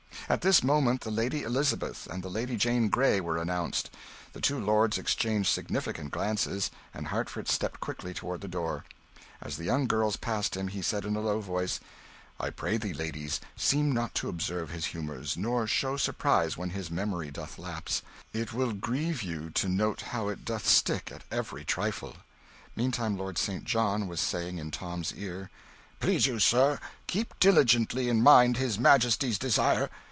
At this moment the Lady Elizabeth and the Lady Jane Grey were announced. The two lords exchanged significant glances, and Hertford stepped quickly toward the door. As the young girls passed him, he said in a low voice "I pray ye, ladies, seem not to observe his humours, nor show surprise when his memory doth lapse it will grieve you to note how it doth stick at every trifle." Meantime Lord St. John was saying in Tom's ear "Please you, sir, keep diligently in mind his majesty's desire.